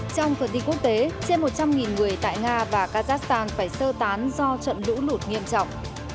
trong phần đi quốc tế trên một trăm linh người tại nga và kazakhstan phải sơ tán do trận lũ lụt nghiêm trọng